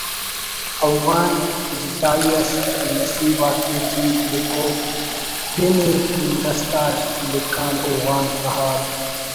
ہوغان جتائی اس نصیب آتے ٹی لکھوک پن ءِ دلدست آ نا لکھان ہوغان تہار